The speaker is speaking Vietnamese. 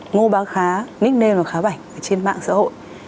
ngô bác khá nickname là khá bảnh trên mạng xã hội